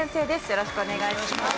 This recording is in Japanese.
よろしくお願いします。